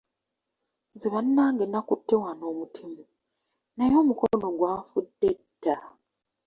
Nze bannange nakutte wano omutemu, naye omukono gwanfudde dda.